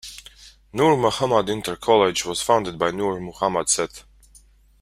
Noor Muhammad Inter College was founded by Noor Mohammad Seth.